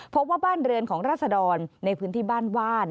พบว่าบ้านเรือนของราศดรในพื้นที่บ้านว่าน